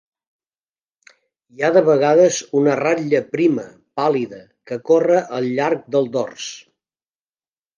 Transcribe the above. Hi ha de vegades una ratlla prima, pàl·lida, que corre al llarg del dors.